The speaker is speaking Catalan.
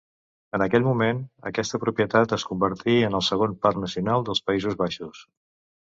En aquell moment aquesta propietat es convertí en el segon parc nacional dels Països Baixos.